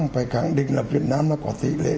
phải khẳng định là việt nam có tỷ lệ